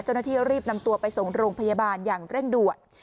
เจ้าหน้าที่รีบนำตัวไปส่งโรงพยาบาลอย่างเร่งด่วน